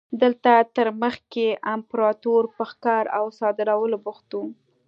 دلته تر مخکې امپراتور په ښکار او صادرولو بوخت و.